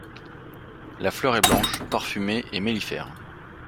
La fleur est blanche, parfumée et mellifère.